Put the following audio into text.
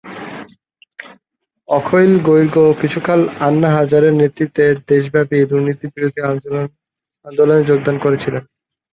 অখিল গগৈ কিছুকাল আন্না হাজারের নেতৃত্বে দেশব্যাপী দুর্নীতির বিরূদ্ধে আন্দোলনে যোগদান করেছিলেন।